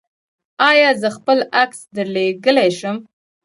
ایا زه خپل عکس درلیږلی شم؟